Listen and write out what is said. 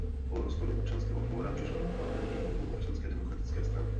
Po rozpadu Občanského fóra přešla do parlamentního klubu Občanské demokratické strany.